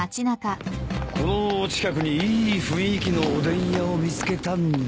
この近くにいい雰囲気のおでん屋を見つけたんだ。